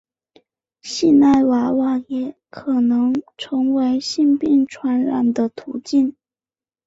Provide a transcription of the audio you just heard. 性爱娃娃也可能成为性病传染的途径。